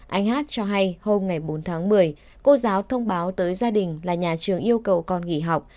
anh hát cho hay hôm ngày bốn tháng một mươi cô giáo thông báo tới gia đình là nhà trường yêu cầu con nghỉ học